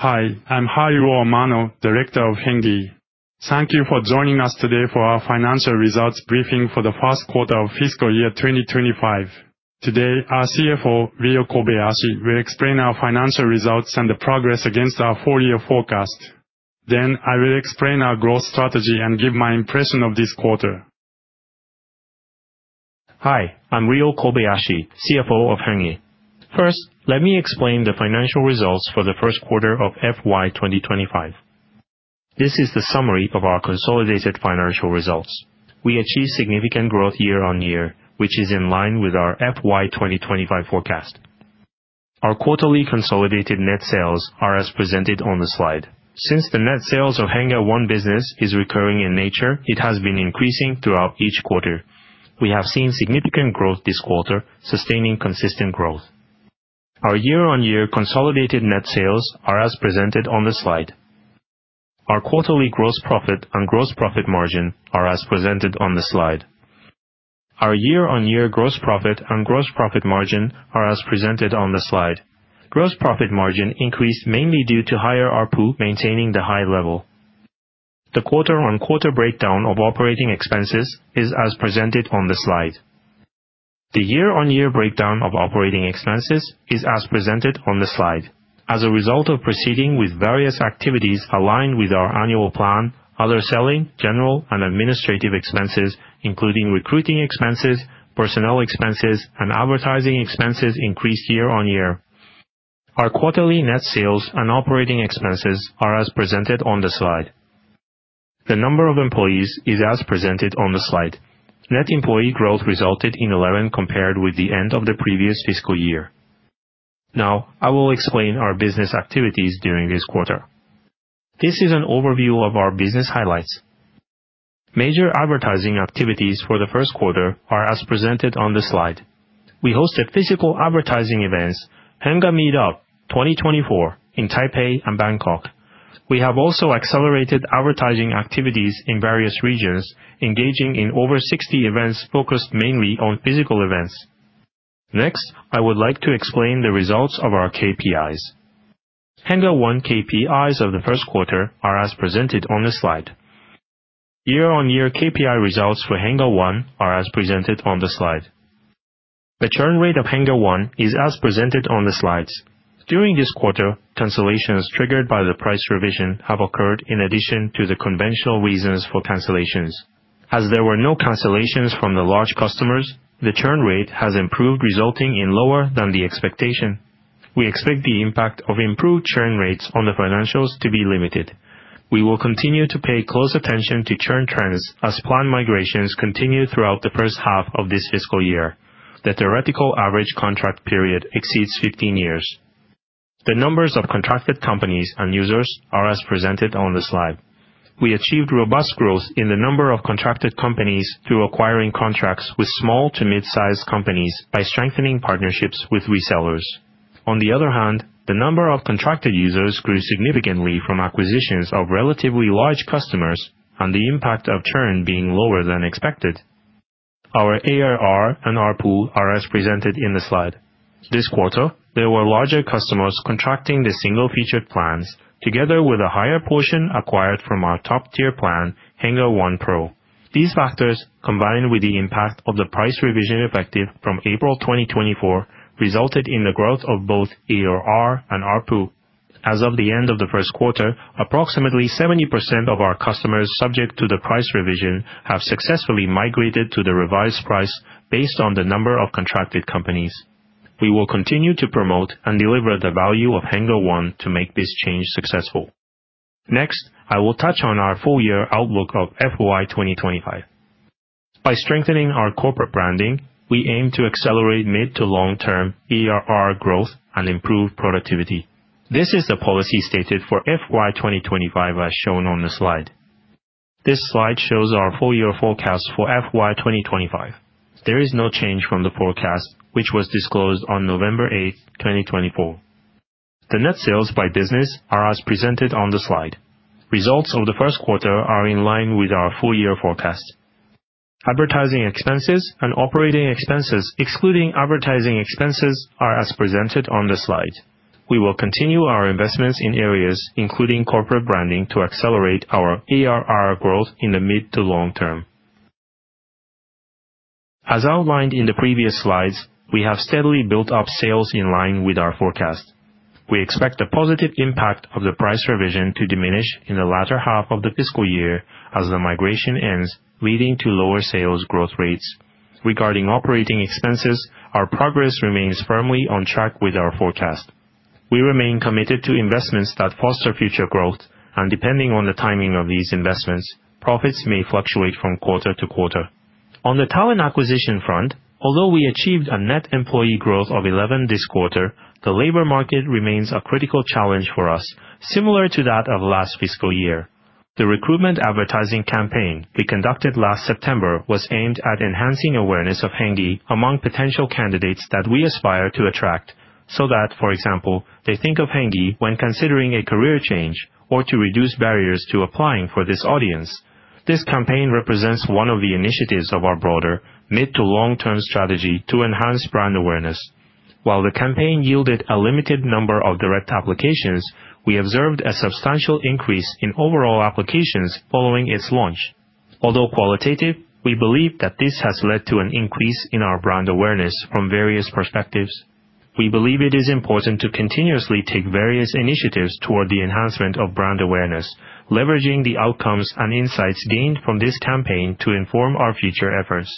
Hi, I'm Haruo Amano, Director of HENNGE. Thank you for joining us today for our financial results briefing for the first quarter of fiscal year 2025. Today, our CFO, Ryo Kobayashi, will explain our financial results and the progress against our four-year forecast. Then, I will explain our growth strategy and give my impression of this quarter. Hi, I'm Ryo Kobayashi, CFO of HENNGE. First, let me explain the financial results for the first quarter of FY2025. This is the summary of our consolidated financial results. We achieved significant growth year-on-year, which is in line with our FY2025 forecast. Our quarterly consolidated net sales are as presented on the slide. Since the net sales of HENNGE One Business is recurring in nature, it has been increasing throughout each quarter. We have seen significant growth this quarter, sustaining consistent growth. Our year-on-year consolidated net sales are as presented on the slide. Our quarterly gross profit and gross profit margin are as presented on the slide. Our year-on-year gross profit and gross profit margin are as presented on the slide. Gross profit margin increased mainly due to higher RPU maintaining the high level. The quarter-on-quarter breakdown of operating expenses is as presented on the slide. The year-on-year breakdown of operating expenses is as presented on the slide. As a result of proceeding with various activities aligned with our annual plan, other selling, general, and administrative expenses, including recruiting expenses, personnel expenses, and advertising expenses increased year-on-year. Our quarterly net sales and operating expenses are as presented on the slide. The number of employees is as presented on the slide. Net employee growth resulted in 11 compared with the end of the previous fiscal year. Now, I will explain our business activities during this quarter. This is an overview of our business highlights. Major advertising activities for the first quarter are as presented on the slide. We hosted physical advertising events, HENNGE Meetup 2024, in Taipei and Bangkok. We have also accelerated advertising activities in various regions, engaging in over 60 events focused mainly on physical events. Next, I would like to explain the results of our KPIs. HENNGE One KPIs of the first quarter are as presented on the slide. Year-on-year KPI results for HENNGE One are as presented on the slide. The churn rate of HENNGE One is as presented on the slides. During this quarter, cancellations triggered by the price revision have occurred in addition to the conventional reasons for cancellations. As there were no cancellations from the large customers, the churn rate has improved, resulting in lower than the expectation. We expect the impact of improved churn rates on the financials to be limited. We will continue to pay close attention to churn trends as plan migrations continue throughout the first half of this fiscal year. The theoretical average contract period exceeds 15 years. The numbers of contracted companies and users are as presented on the slide. We achieved robust growth in the number of contracted companies through acquiring contracts with small to mid-sized companies by strengthening partnerships with resellers. On the other hand, the number of contracted users grew significantly from acquisitions of relatively large customers, and the impact of churn being lower than expected. Our ARR and RPU are as presented in the slide. This quarter, there were larger customers contracting the single-featured plans, together with a higher portion acquired from our top-tier plan, HENNGE One Pro. These factors, combined with the impact of the price revision effective from April 2024, resulted in the growth of both ARR and RPU. As of the end of the first quarter, approximately 70% of our customers subject to the price revision have successfully migrated to the revised price based on the number of contracted companies. We will continue to promote and deliver the value of HENNGE One to make this change successful. Next, I will touch on our full-year outlook of FY2025. By strengthening our corporate branding, we aim to accelerate mid- to long-term ARR growth and improve productivity. This is the policy stated for FY2025 as shown on the slide. This slide shows our full-year forecast for FY2025. There is no change from the forecast, which was disclosed on November 8, 2024. The net sales by business are as presented on the slide. Results of the first quarter are in line with our full-year forecast. Advertising expenses and operating expenses, excluding advertising expenses, are as presented on the slide. We will continue our investments in areas including corporate branding to accelerate our ARR growth in the mid- to long term. As outlined in the previous slides, we have steadily built up sales in line with our forecast. We expect the positive impact of the price revision to diminish in the latter half of the fiscal year as the migration ends, leading to lower sales growth rates. Regarding operating expenses, our progress remains firmly on track with our forecast. We remain committed to investments that foster future growth, and depending on the timing of these investments, profits may fluctuate from quarter to quarter. On the talent acquisition front, although we achieved a net employee growth of 11 this quarter, the labor market remains a critical challenge for us, similar to that of last fiscal year. The recruitment advertising campaign we conducted last September was aimed at enhancing awareness of HENNGE among potential candidates that we aspire to attract, so that, for example, they think of HENNGE when considering a career change or to reduce barriers to applying for this audience. This campaign represents one of the initiatives of our broader mid- to long-term strategy to enhance brand awareness. While the campaign yielded a limited number of direct applications, we observed a substantial increase in overall applications following its launch. Although qualitative, we believe that this has led to an increase in our brand awareness from various perspectives. We believe it is important to continuously take various initiatives toward the enhancement of brand awareness, leveraging the outcomes and insights gained from this campaign to inform our future efforts.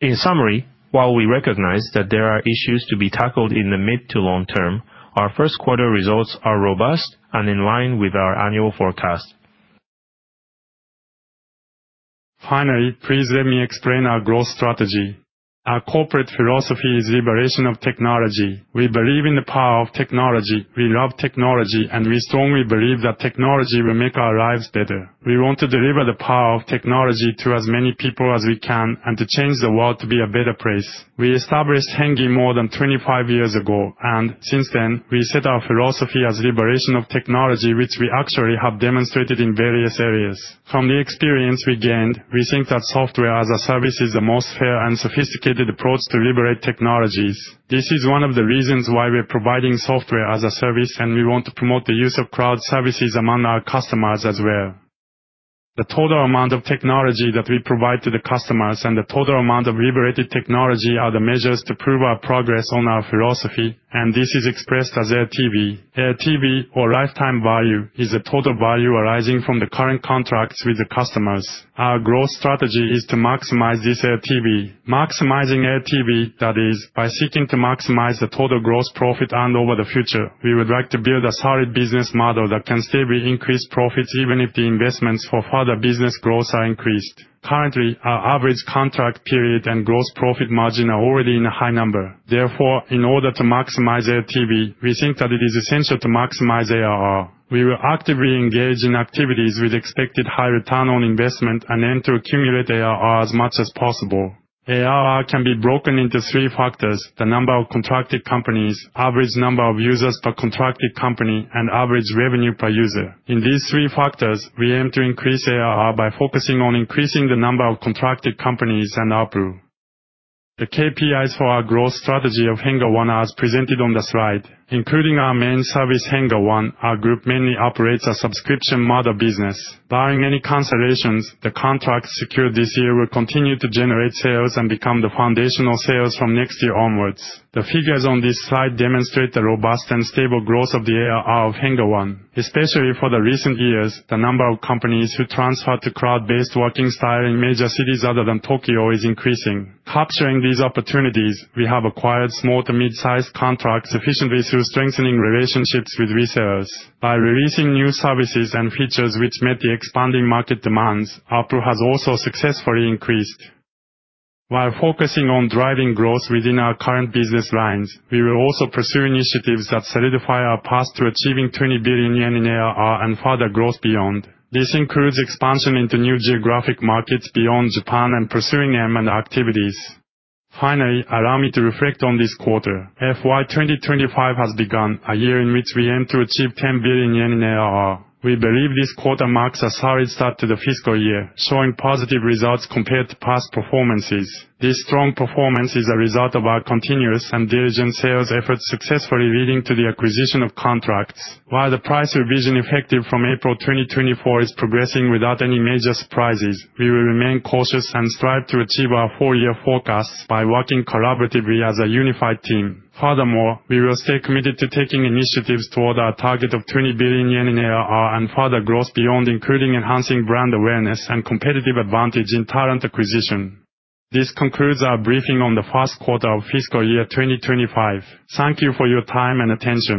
In summary, while we recognize that there are issues to be tackled in the mid- to long term, our first quarter results are robust and in line with our annual forecast. Finally, please let me explain our growth strategy. Our corporate philosophy is Liberation of Technology. We believe in the power of technology. We love technology, and we strongly believe that technology will make our lives better. We want to deliver the power of technology to as many people as we can and to change the world to be a better place. We established HENNGE more than 25 years ago, and since then, we set our philosophy as Liberation of Technology, which we actually have demonstrated in various areas. From the experience we gained, we think that software as a service is the most fair and sophisticated approach to liberate technologies. This is one of the reasons why we're providing software as a service, and we want to promote the use of cloud services among our customers as well. The total amount of technology that we provide to the customers and the total amount of liberated technology are the measures to prove our progress on our philosophy, and this is expressed as LTV. LTV, or lifetime value, is the total value arising from the current contracts with the customers. Our growth strategy is to maximize this LTV. Maximizing LTV, that is, by seeking to maximize the total gross profit and over the future, we would like to build a solid business model that can still increase profits even if the investments for further business growth are increased. Currently, our average contract period and gross profit margin are already in a high number. Therefore, in order to maximize LTV, we think that it is essential to maximize ARR. We will actively engage in activities with expected high return on investment and aim to accumulate ARR as much as possible. ARR can be broken into three factors: the number of contracted companies, average number of users per contracted company, and average revenue per user. In these three factors, we aim to increase ARR by focusing on increasing the number of contracted companies and RPU. The KPIs for our growth strategy of HENNGE One are as presented on the slide, including our main service, HENNGE One. Our group mainly operates a subscription model business. Barring any cancellations, the contracts secured this year will continue to generate sales and become the foundational sales from next year onwards. The figures on this slide demonstrate the robust and stable growth of the ARR of HENNGE One. Especially for the recent years, the number of companies who transferred to cloud-based working style in major cities other than Tokyo is increasing. Capturing these opportunities, we have acquired small to mid-sized contracts efficiently through strengthening relationships with resellers. By releasing new services and features which met the expanding market demands, RPU has also successfully increased. While focusing on driving growth within our current business lines, we will also pursue initiatives that solidify our path to achieving 20 billion yen in ARR and further growth beyond. This includes expansion into new geographic markets beyond Japan and pursuing M&A activities. Finally, allow me to reflect on this quarter. FY2025 has begun, a year in which we aim to achieve 10 billion yen in ARR. We believe this quarter marks a solid start to the fiscal year, showing positive results compared to past performances. This strong performance is a result of our continuous and diligent sales efforts successfully leading to the acquisition of contracts. While the price revision effective from April 2024 is progressing without any major surprises, we will remain cautious and strive to achieve our full-year forecasts by working collaboratively as a unified team. Furthermore, we will stay committed to taking initiatives toward our target of 20 billion yen in ARR and further growth beyond, including enhancing brand awareness and competitive advantage in talent acquisition. This concludes our briefing on the first quarter of fiscal year 2025. Thank you for your time and attention.